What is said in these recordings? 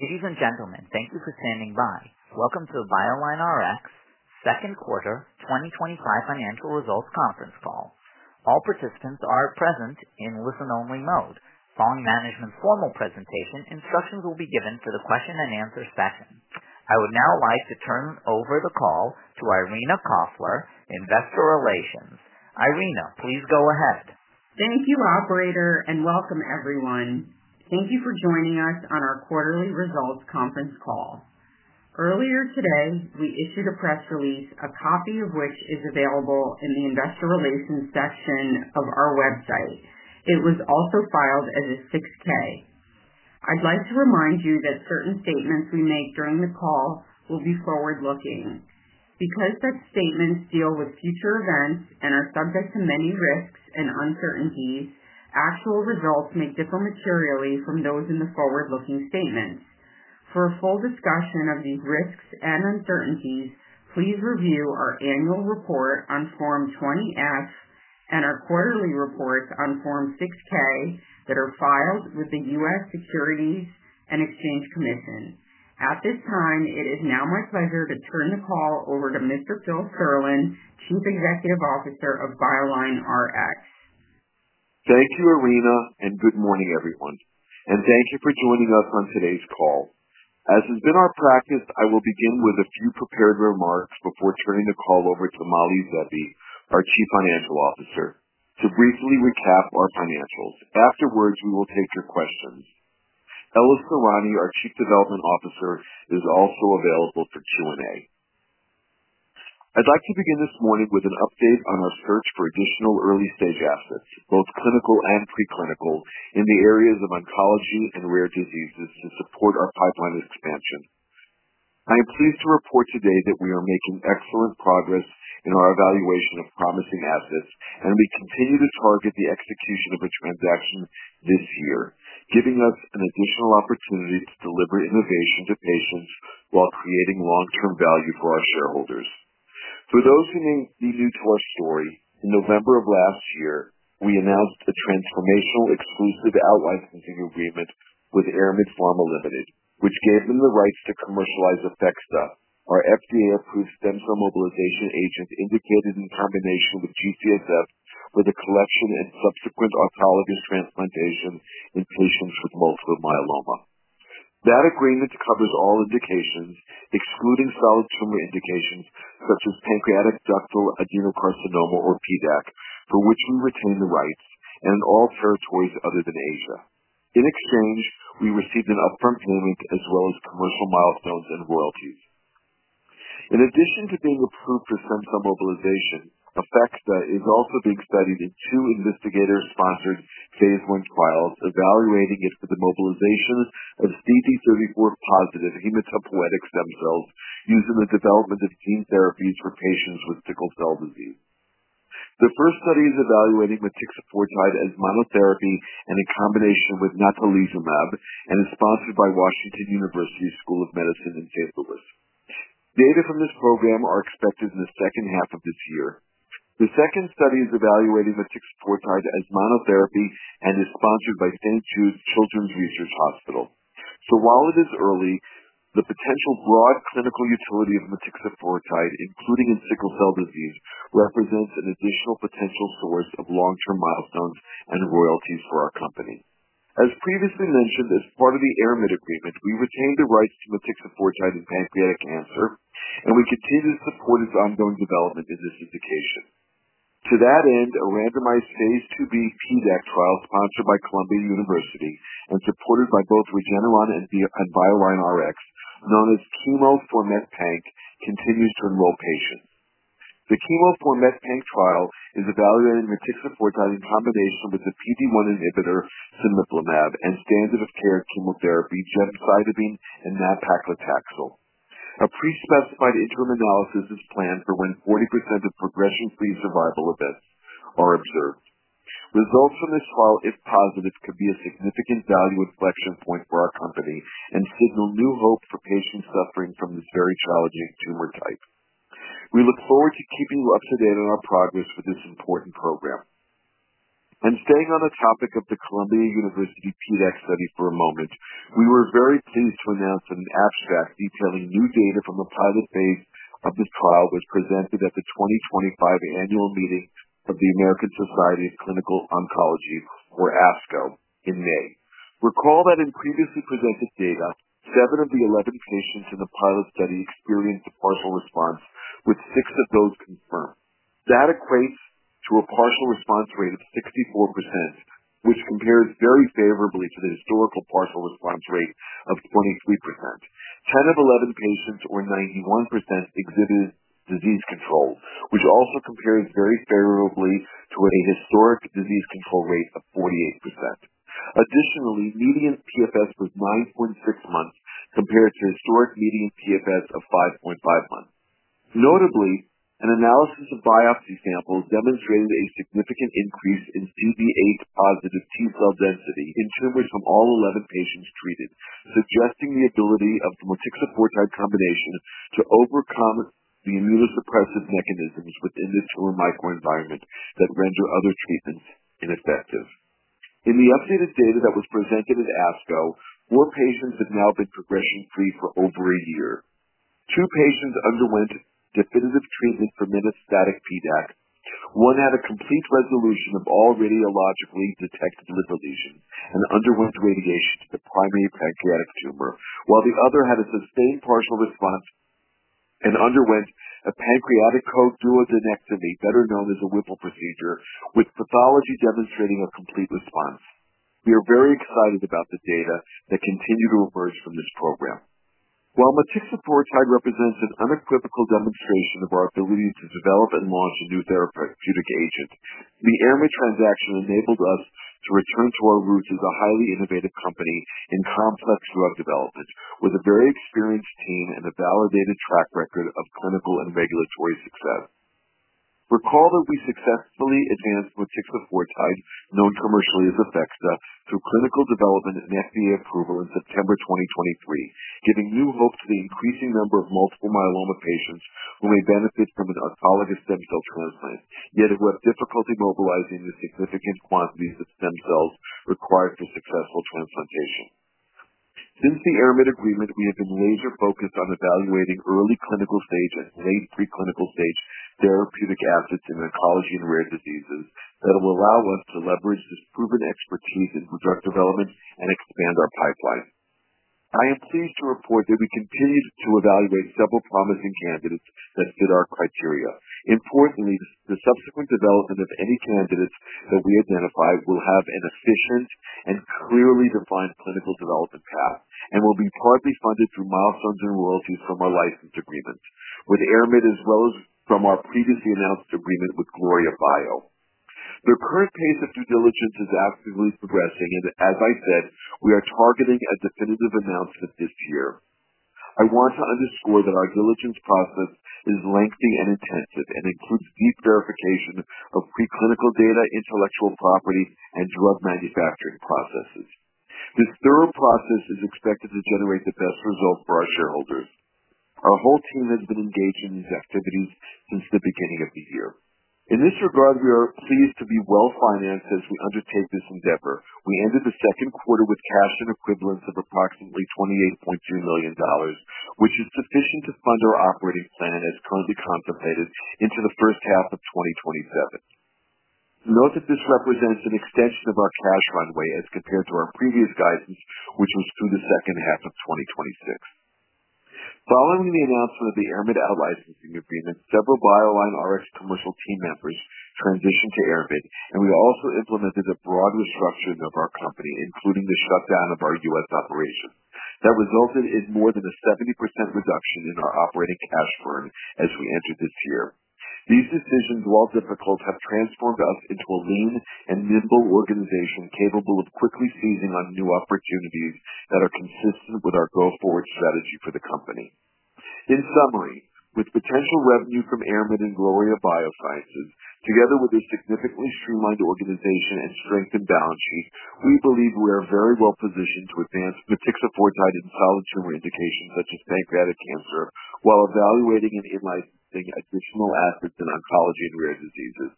Ladies and gentlemen, thank you for standing by. Welcome to the BioLineRx Second Quarter 2025 Financial Results Conference Call. All participants are present in listen-only mode. Following the management's formal presentation, instructions will be given to the question-and-answer session. I would now like to turn over the call to Irina Koffler, Investor Relations. Irina, please go ahead. Thank you, operator, and welcome everyone. Thank you for joining us on our Quarterly Results Conference Call. Earlier today, we issued a press release, a copy of which is available in the Investor Relations section of our website. It was also filed as a 6K. I'd like to remind you that certain statements we make during the call will be forward-looking. Because such statements deal with future events and are subject to many risks and uncertainties, actual results may differ materially from those in the forward-looking statement. For a full discussion of these risks and uncertainties, please review our annual report on Form 20F and our quarterly reports on Form 6K that are filed with the U.S. Securities and Exchange Commission. At this time, it is now my pleasure to turn the call over to Mr. Philip Serlin, Chief Executive Officer of BioLineRx. Thank you, Irina, and good morning, everyone. Thank you for joining us on today's call. As has been our practice, I will begin with a few prepared remarks before turning the call over to Mali Zeevi, our Chief Financial Officer, to briefly recap our financials. Afterwards, we will take your questions. Ella Sorani, our Chief Development Officer, is also available for Q&A. I'd like to begin this morning with an update on our search for additional early-stage assets, both clinical and preclinical, in the areas of oncology and rare diseases to support our pipeline expansion. I am pleased to report today that we are making excellent progress in our evaluation of promising assets, and we continue to target the execution of a transaction this year, giving us an additional opportunity to deliver innovation to patients while creating long-term value for our shareholders. For those who may be new to our story, in November of last year, we announced the transformational exclusive out-licensing agreement with Ayrmid Pharma Ltd., which gave them the rights to commercialize APHEXDA, our FDA-approved stem cell mobilization agent indicated in combination with TCSF, with collection and subsequent autologous transplantation in patients with multiple myeloma. That agreement covers all indications, excluding solid tumor indications such as pancreatic ductal adenocarcinoma or PDAC, for which we retain the rights, and all territories other than the U.S. In exchange, we received an upfront payment as well as commercial milestones and royalties. In addition to being approved for stem cell mobilization, APHEXDA is also being studied in two investigator-sponsored Phase I trials, evaluating it for the mobilization of CD34-positive hematopoietic stem cells using the development of gene therapies for patients with sickle cell disease. The first study is evaluating motixafortide as monotherapy and in combination with natalizumab, and is sponsored by Washington University in St. Louis. Data from this program are expected in the second half of this year. The second study is evaluating motixafortide as monotherapy and is sponsored by St. Jude Children's Research Hospital. The potential broad clinical utility of motixafortide, including in sickle cell disease, represents an additional potential source of long-term milestones and royalties for our company. As previously mentioned, as part of the Ayrmid Pharma agreement, we retain the rights to motixafortide in pancreatic cancer, and we continue to support its ongoing development in this indication. To that end, a randomized Phase IIb PDAC trial sponsored by Columbia University and supported by both Regeneron and BioLineRx, known as CheMo4METPANC, continues to enroll patients. The CheMo4METPANC trial is evaluating motixafortide in combination with a PD-1 inhibitor, cemiplimab, and standard of care chemotherapy, gemcitabine and nab-paclitaxel. A pre-specified interim analysis is planned for when 40% of progressing stage survival events are observed. Results from this trial, if positive, could be a significant value reflection point for our company and signal new hope for patients suffering from this very challenging tumor type. We look forward to keeping you up to date on our progress with this important program. Staying on the topic of the Columbia University PDAC study for a moment, we were very pleased to announce an abstract detailing new data from the pilot phase of this trial was presented at the 2025 annual meeting of the American Society of Clinical Oncology, or ASCO, in May. Recall that in previously presented data, seven of the 11 patients in the pilot study experienced a partial response, with six of those confirmed. That equates to a partial response rate of 64%, which compares very favorably to the historical partial response rate of 23%. Ten of 11 patients, or 91%, exhibited disease control, which also compares very favorably to a historic disease control rate of 48%. Additionally, median PFS was 9.6 months compared to a historic median PFS of 5.5 months. Notably, an analysis of biopsy samples demonstrated a significant increase in CD8-positive T-cell density in tumors from all 11 patients treated, suggesting the ability of the motixafortide combination to overcome the immunosuppressive mechanisms within this tumor microenvironment that render other treatments ineffective. In the updated data that was presented at ASCO, four patients have now been progression-free for over a year. Two patients underwent definitive treatment for metastatic PDAC. One had a complete resolution of all radiologically detected lymph lesions and underwent radiation to the primary pancreatic tumor, while the other had a sustained partial response and underwent a pancreatic choledochoduodenectomy, better known as the Whipple procedure, with pathology demonstrating a complete response. We are very excited about the data that continue to emerge from this program. While motixafortide represents an unequivocal demonstration of our ability to develop and launch a new therapeutic agent, the Ayrmid transaction enabled us to return to our roots as a highly innovative company in complex drug development, with a very experienced team and a validated track record of clinical and regulatory success. Recall that we successfully advanced motixafortide, known commercially as APHEXDA, to clinical development and FDA approval in September 2023, giving new hope to the increasing number of multiple myeloma patients who may benefit from an autologous stem cell transplant, yet who have difficulty mobilizing the significant quantities of stem cells required for successful transplantation. Since the Ayrmid agreement, we have been laser-focused on evaluating early clinical stage and late preclinical stage therapeutic assets in oncology and rare diseases that will allow us to leverage this proven expertise in drug development and expand our pipeline. I am pleased to report that we continue to evaluate several promising candidates that fit our criteria. Importantly, the subsequent development of any candidates that we identify will have an efficient and clearly defined clinical development path and will be partly funded through milestones and royalties from our licensed agreements, with Ayrmid as well as from our previously announced agreement with Gloria Bio. The current phase of due diligence is actively progressing, and as I said, we are targeting a definitive announcement this year. I want to underscore that our diligence process is lengthy and intensive and includes deep verification of preclinical data, intellectual property, and drug manufacturing processes. This thorough process is expected to generate the best results for our shareholders. Our whole team has been engaged in these activities since the beginning of the year. In this regard, we are pleased to be well financed as we undertake this endeavor. We ended the second quarter with cash and equivalents of approximately $28.2 million, which is sufficient to fund our operating plan as currently contemplated into the first half of 2027. Note that this represents an extension of our cash runway as compared to our previous guidance, which was through the second half of 2026. Following the announcement of the Ayrmid out-licensing agreement, several BioLineRx commercial team members transitioned to Ayrmid, and we also implemented a broad restructuring of our company, including the shutdown of our U.S. operations. That resulted in more than a 70% reduction in our operating cash flow as we entered this year. These decisions, while difficult, have transformed us into a lean and nimble organization capable of quickly seizing on new opportunities that are consistent with our go-forward strategy for the company. In summary, with potential revenue from Ayrmid and Gloria Bio, together with a significantly streamlined organization and strengthened balance sheet, we believe we are very well positioned to advance motixafortide in solid tumor indications such as pancreatic cancer, while evaluating and enlightening additional aspects in oncology and rare diseases.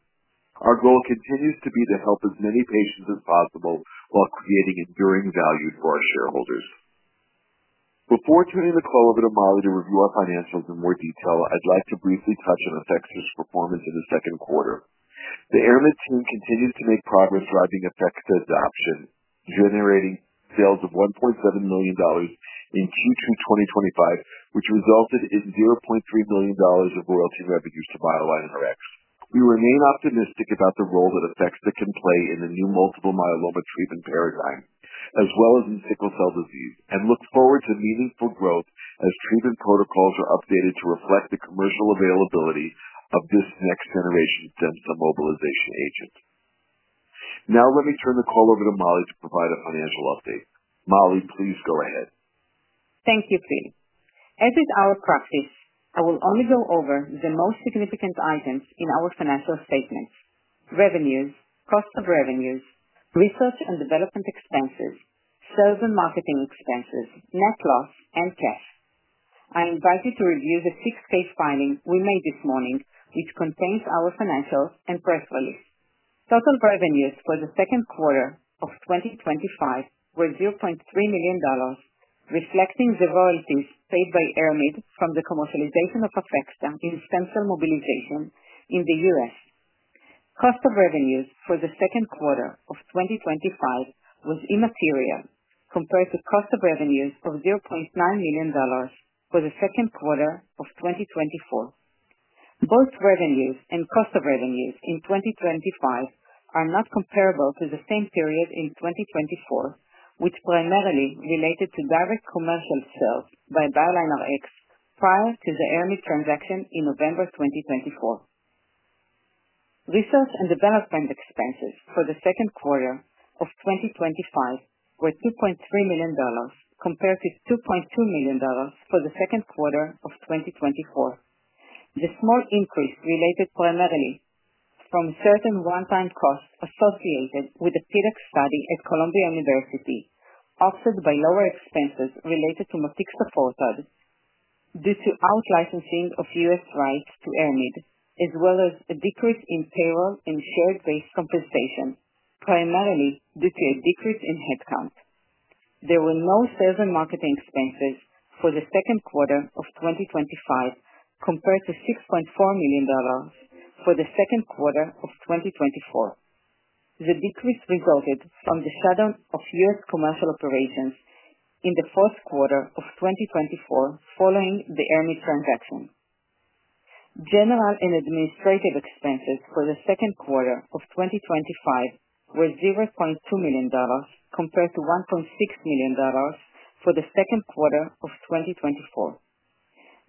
Our goal continues to be to help as many patients as possible while creating enduring value for our shareholders. Before turning the call over to Mali to review our financials in more detail, I'd like to briefly touch on APHEXDA's performance in the second quarter. The Ayrmid team continues to make progress driving APHEXDA adoption, generating sales of $1.7 million in Q2 2025, which resulted in $0.3 million of royalty revenues to BioLineRx. We remain optimistic about the role that APHEXDA can play in the new multiple myeloma treatment paradigm, as well as in sickle cell disease, and look forward to meaningful growth as treatment protocols are updated to reflect the commercial availability of this next-generation stem cell mobilization agent. Now, let me turn the call over to Mali to provide a financial update. Mali, please go ahead. Thank you, Phillip. As is our practice, I will only go over the most significant items in our financial statements: revenues, cost of revenues, research and development expenses, sales and marketing expenses, net loss, and G&A. I invite you to review the six-page filing we made this morning, which contains our financials and press release. Total revenues for the second quarter of 2025 were $0.3 million, reflecting the royalties paid by Ayrmid Pharma from the commercialization of APHEXDA in stem cell mobilization in the U.S. Cost of revenues for the second quarter of 2025 was immaterial, compared to cost of revenues of $0.9 million for the second quarter of 2024. Both revenues and cost of revenues in 2025 are not comparable to the same period in 2024, which primarily related to direct commercial sales by BioLineRx prior to the Ayrmid Pharma transaction in November 2024. Research and development expenses for the second quarter of 2025 were $2.3 million, compared to $2.2 million for the second quarter of 2024. The small increase related primarily to certain one-time costs associated with the PDAC study at Columbia University, offset by lower expenses related to motixafortide due to out-licensing of U.S. rights to Ayrmid Pharma, as well as a decrease in payroll and share-based compensation, primarily due to a decrease in headcount. There were no sales and marketing expenses for the second quarter of 2025, compared to $6.4 million for the second quarter of 2024. The decrease resulted from the shutdown of U.S. commercial operations in the fourth quarter of 2024 following the Ayrmid Pharma transaction. General and administrative expenses for the second quarter of 2025 were $0.2 million, compared to $1.6 million for the second quarter of 2024.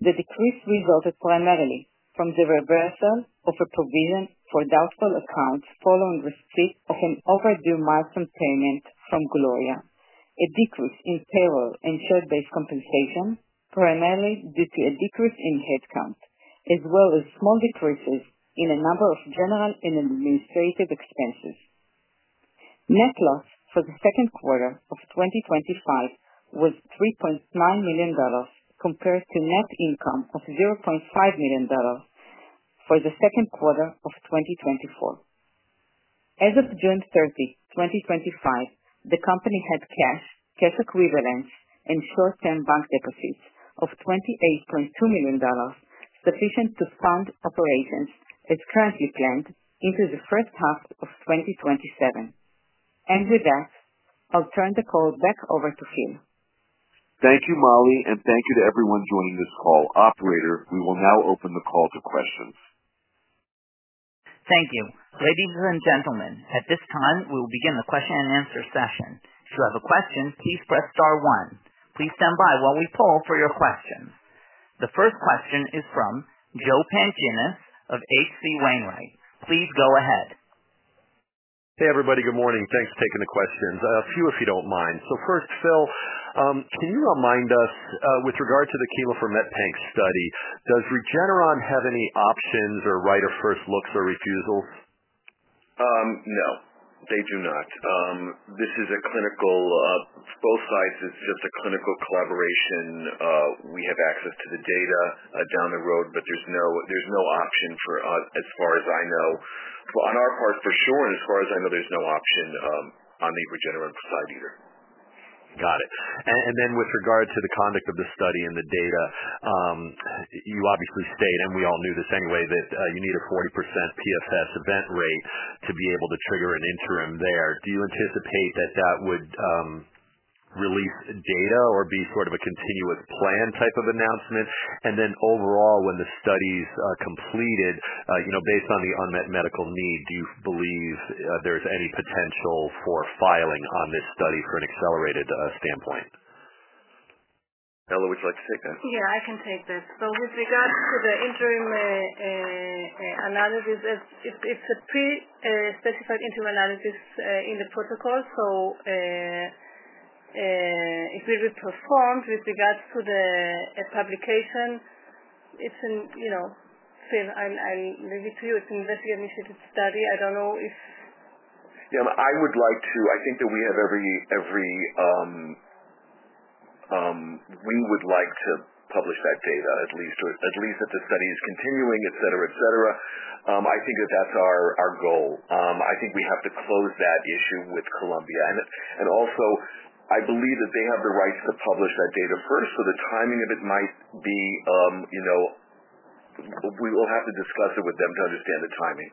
The decrease resulted primarily from the reversal of a provision for doubtful accounts following a slip and an overdue milestone payment from Gloria, a decrease in payroll and share-based compensation, primarily due to a decrease in headcount, as well as small decreases in a number of general and administrative expenses. Net loss for the second quarter of 2025 was $3.9 million, compared to a net income of $0.5 million for the second quarter of 2024. As of June 30, 2025, the company had cash and cash equivalents, and short-term bank deposits of $28.2 million, sufficient to fund operations as currently planned into the first half of 2027. I'll turn the call back over to Phil. Thank you, Mali, and thank you to everyone joining this call. Operator, we will now open the call to questions. Thank you. Ladies and gentlemen, at this time, we will begin the question-and-answer session. If you have a question, please press star one. Please stand by while we poll for your question. The first question is from Joe Pantginis of H.C. Wainwright. Please go ahead. Hey, everybody. Good morning. Thanks for taking the questions. A few, if you don't mind. First, Phil, can you remind us, with regard to the CheMo4METPANC study, does Regeneron have any options or right of first look for refusals? No, they do not. This is a clinical, both sides is just a clinical collaboration. We have access to the data down the road, but there's no, there's no option for us as far as I know. On our part for sure, and as far as I know, there's no option on the Regeneron side either. Got it. With regard to the conduct of the study and the data, you obviously stated, and we all knew this anyway, that you need a 40% PFS event rate to be able to trigger an interim there. Do you anticipate that that would release data or be sort of a continuous plan type of announcement? When the study's completed, based on the unmet medical need, do you believe there's any potential for filing on this study for an accelerated standpoint? Ella, would you like to take that? Yeah, I can take that. With regards to the interim analysis, it's a pre-specified interim analysis in the protocol. It will be performed with regards to the publication. It's in, you know, Phil, I'm leaving it to you. It's an investigative study. I don't know if. I think that we have every, we would like to publish that data at least, or at least that the study is continuing, etc. I think that's our goal. I think we have to close that issue with Columbia University. Also, I believe that they have the rights to publish that data first, so the timing of it might be, you know, we will have to discuss it with them to understand the timing.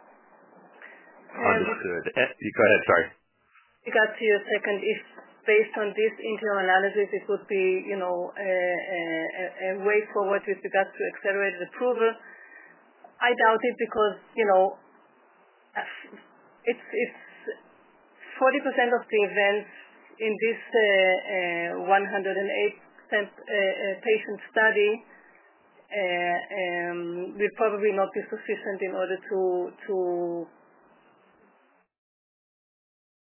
Understood. You go ahead. Sorry. regards to your second, if based on this interim analysis, it would be, you know, a way forward with regards to accelerated approval. I doubt it because, you know, it's 40% of the events in this 108 patient study, will probably not be sufficient in order to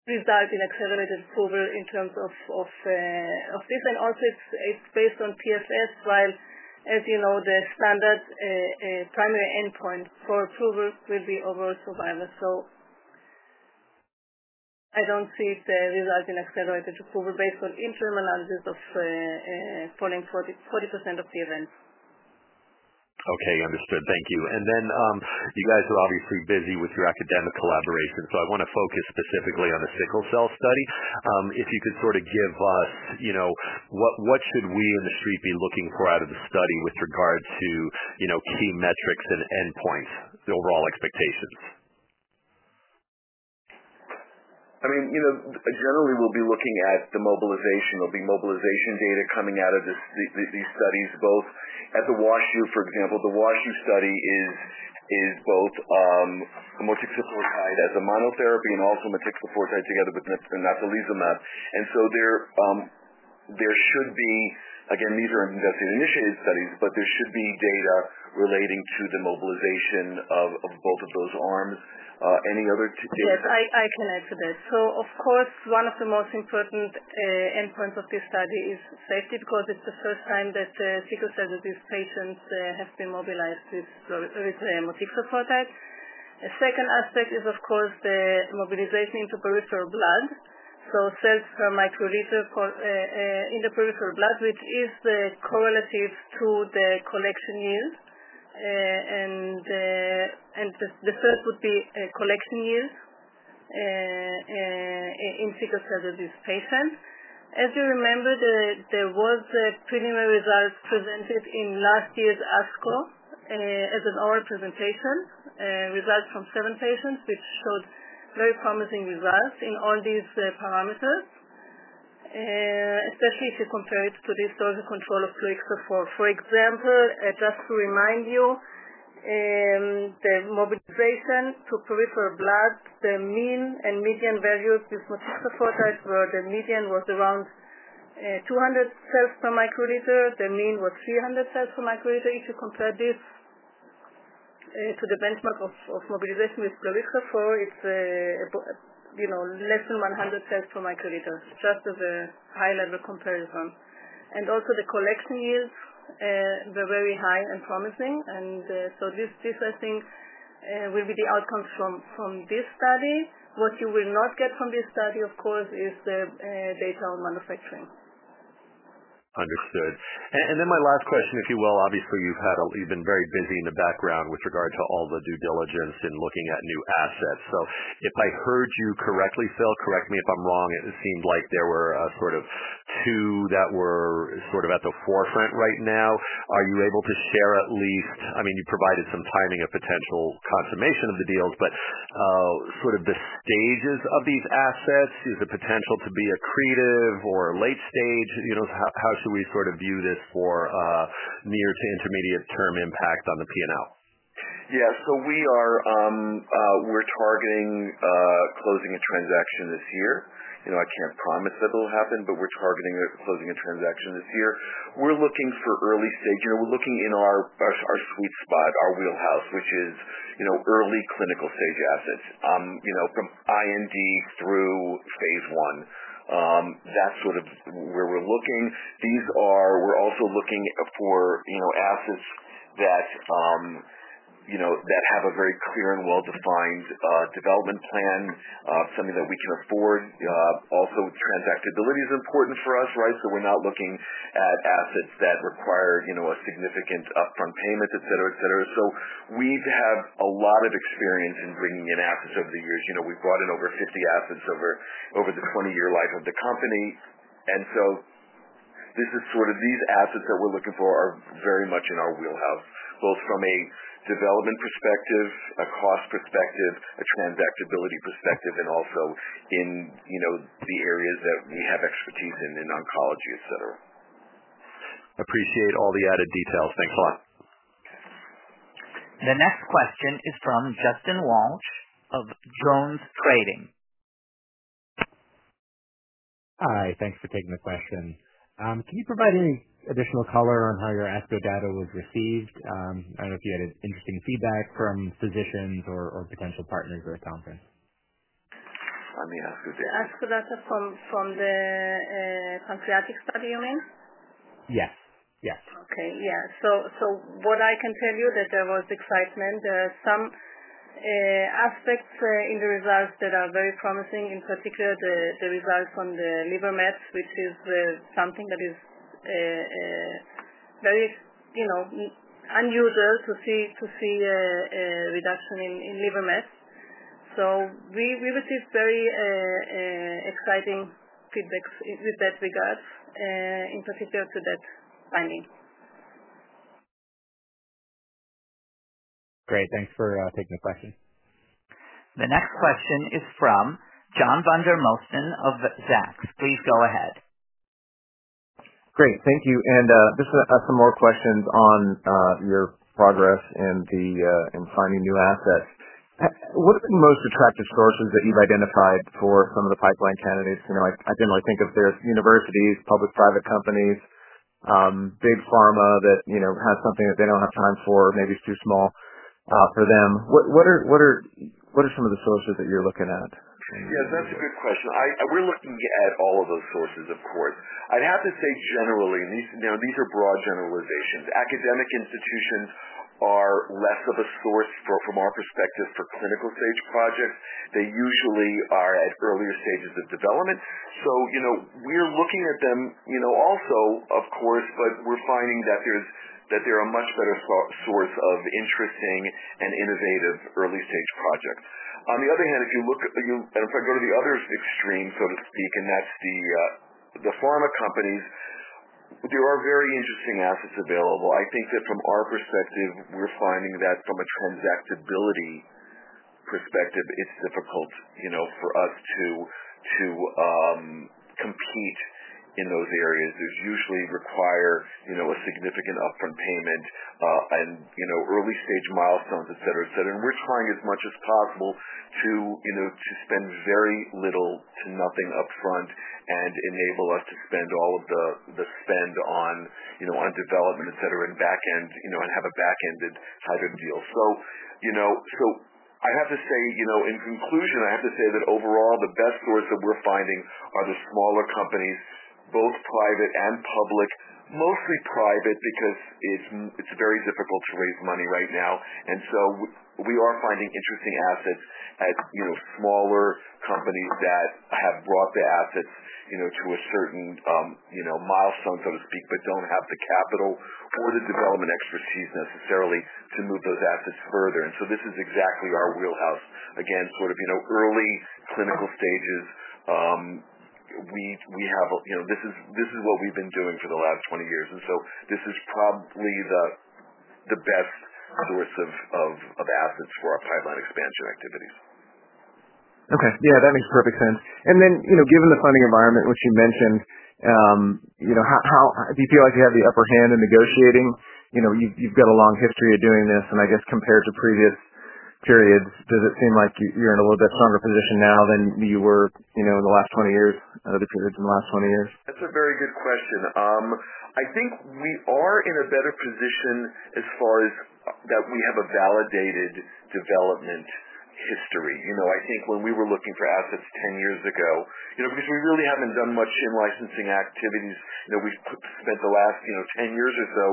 result in accelerated approval in terms of this. Also, it's based on PFS, while, as you know, the standard primary endpoint for approval will be overall survival. I don't see it as a result in accelerated approval based on interim analysis of following 40% of the events. Okay. Understood. Thank you. You guys are obviously pretty busy with your academic collaboration, so I want to focus specifically on the sickle cell study. If you could sort of give us what should we in the suite be looking for out of the study with regard to key metrics and endpoints, the overall expectations? I mean, you know, generally, we'll be looking at the mobilization. There'll be mobilization data coming out of these studies, both as a walkthrough. For example, the walkthrough study is both motixafortide as a monotherapy and also motixafortide together with nab-paclitaxel and natalizumab. There should be, again, these are investigator-initiated studies, but there should be data relating to the mobilization of both of those arms. Any other? Yes, I can add to that. Of course, one of the most important endpoints of this study is safety because it's the first time that the sickle cell disease patients have been mobilized with motixafortide. A second aspect is, of course, the mobilization into peripheral blood. Cells per microliter in the peripheral blood, which is the correlative to the collection years, and the third would be collection years in sickle cell disease patients. As you remember, there were preliminary results presented in last year's ASCO, as an oral presentation, results from seven patients, which showed very promising results in all these parameters, especially if you compare it to the historical control of motixafortide. For example, just to remind you, the mobilization to peripheral blood, the mean and median value of motixafortide were the median was around 200 cells per microliter. The mean was 300 cells per microliter. If you compare this to the benchmark of mobilization with peripheral, it's less than 100 cells per microliter, just as a high-level comparison. Also, the collection years were very high and promising. This, I think, will be the outcomes from this study. What you will not get from this study, of course, is the data on manufacturing. Understood. My last question, if you will, obviously, you've been very busy in the background with regard to all the due diligence and looking at new assets. If I heard you correctly, Phil, correct me if I'm wrong, it seemed like there were sort of two that were at the forefront right now. Are you able to share at least, I mean, you provided some timing of potential consummation of the deals, but the stages of these assets, is the potential to be accretive or late stage? How should we view this for near to intermediate-term impact on the P&L? Yeah. We are targeting closing a transaction this year. I can't promise that it'll happen, but we're targeting closing a transaction this year. We're looking for early-stage, we're looking in our sweet spot, our wheelhouse, which is early clinical stage assets, from IND through phase I. That's sort of where we're looking. We're also looking for assets that have a very clear and well-defined development plan, something that we can afford. Also, transactability is important for us, right? We're not looking at assets that require a significant upfront payment, etc. We have a lot of experience in bringing in assets over the years. We've brought in over 50 assets over the 20-year life of the company. These assets that we're looking for are very much in our wheelhouse, both from a development perspective, a cost perspective, a transactability perspective, and also in the areas that we have expertise in, in oncology, etc. Appreciate all the added details. Thanks a lot. The next question is from Justin Walsh of Jones Trading. Hi. Thanks for taking the question. Can you provide any additional color on how your ASCO data was received? I don't know if you had interesting feedback from physicians or potential partners at a conference. I mean, ASCO data from the pancreatic study, you mean? Yes. Yes. Okay. What I can tell you is that there was excitement. There are some aspects in the results that are very promising, in particular the results on the liver mets, which is something that is very unusual to see, to see reduction in liver mets. We received very exciting feedback with that regard, in particular to that finding. Great. Thanks for taking the question. The next question is from John Vandermosten of Zacks. Please go ahead. Thank you. This is some more questions on your progress in finding new assets. What are the most attractive sources that you've identified for some of the pipeline candidates? I generally think of various universities, public-private companies, big pharma that has something that they don't have time for, maybe it's too small for them. What are some of the sources that you're looking at? Yes, that's a good question. We're looking at all of those sources, of course. I'd have to say generally, and these are broad generalizations. Academic institutions are less of a source, from our perspective, for clinical stage projects. They usually are at earlier stages of development. We're looking at them also, of course, but we're finding that they're a much better source of interesting and innovative early-stage projects. On the other hand, if you look at, and if I go to the other extreme, so to speak, and that's the pharma companies, there are very interesting assets available. I think that from our perspective, we're finding that from a transactability perspective, it's difficult for us to compete in those areas. These usually require a significant upfront payment, and early-stage milestones, etc., etc. We're trying as much as possible to spend very little to nothing upfront and enable us to spend all of the spend on development, etc., and back end, and have a back-ended higher deal. In conclusion, I have to say that overall, the best source that we're finding are the smaller companies, both private and public, mostly private because it's very difficult to raise money right now. We are finding interesting assets at smaller companies that have brought the assets to a certain milestone, so to speak, but don't have the capital or the development expertise necessarily to move those assets further. This is exactly our wheelhouse. Again, sort of early clinical stages. We have a, this is what we've been doing for the last 20 years. This is probably the best of the list of assets for our pipeline expansion activities. Okay. Yeah, that makes perfect sense. Given the funding environment, which you mentioned, how do you feel like you have the upper hand in negotiating? You've got a long history of doing this. I guess compared to previous periods, does it seem like you're in a little bit stronger position now than you were in the last 20 years, another period in the last 20 years? That's a very good question. I think we are in a better position as far as that we have a validated development history. I think when we were looking for assets 10 years ago, because we really haven't done much in-licensing activities, we've spent the last 10 years or so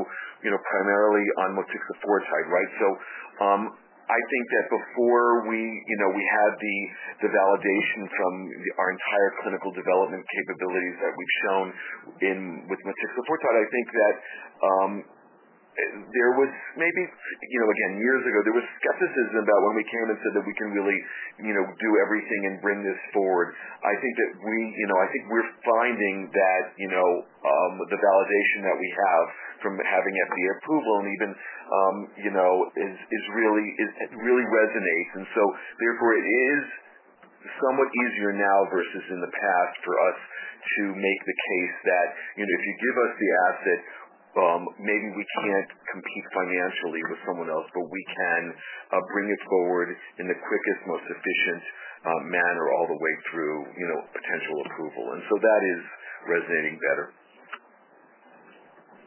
primarily on motixafortide, right? I think that before we had the validation from our entire clinical development capabilities that we've shown with motixafortide, there was maybe, years ago, skepticism about when we came and said that we can really do everything and bring this forward. I think that the validation that we have from having FDA approval really resonates. Therefore, it is somewhat easier now versus in the past for us to make the case that if you give us the asset, maybe we can't compete financially with someone else, but we can bring it forward in the quickest, most efficient manner all the way through potential approval. That is resonating better.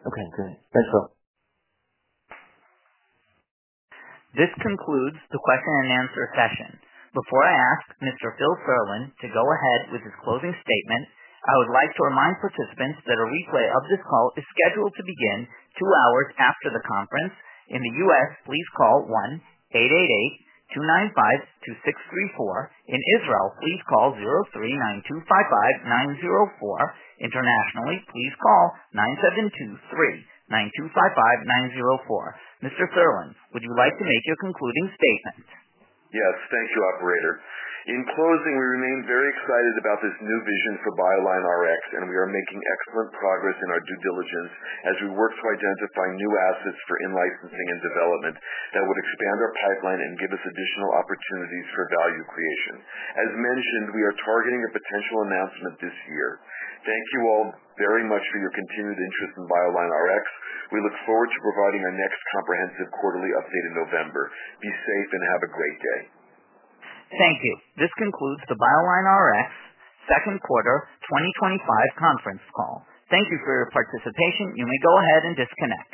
Okay. Great. Thanks, Phil. This concludes the question-and-answer session. Before I ask Mr. Philip Serlin to go ahead with his closing statement, I would like to remind participants that a replay of this call is scheduled to begin two hours after the conference. In the U.S., please call 1-888-295-2634. In Israel, please call 03-9255-904. Internationally, please call 9723-9255-904. Mr. Serlin, would you like to make your concluding statement? Yes. Thank you, operator. In closing, we remain very excited about this new vision for BioLineRx, and we are making excellent progress in our due diligence as we work to identify new assets for in-licensing and development that would expand our pipeline and give us additional opportunities for value creation. As mentioned, we are targeting a potential announcement this year. Thank you all very much for your continued interest in BioLineRx. We look forward to providing our next comprehensive quarterly update in November. Be safe and have a great day. Thank you. This concludes the BioLineRx second quarter 2025 conference call. Thank you for your participation. You may go ahead and disconnect.